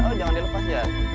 oh jangan dilepas ya